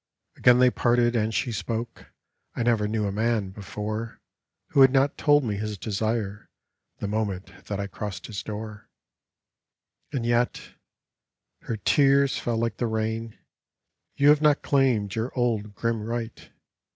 Again they parted, and she spoke: " I never knew a man before Who had not told me his desire The moment that I crossed his door. " And yet "— her tears fell like the rain — "You have not claimed your old, grim right.